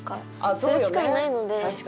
そういう機会ないので。